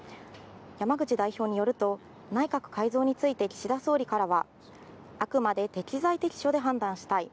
山口代表によると、内閣改造について岸田総理からはあくまで適材適所で判断したい。